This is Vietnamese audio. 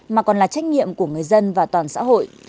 mà còn là trách nhiệm của người dân và toàn xã hội